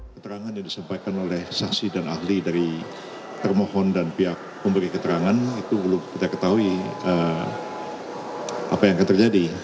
keterangan yang disampaikan oleh saksi dan ahli dari termohon dan pihak pemberi keterangan itu belum kita ketahui apa yang akan terjadi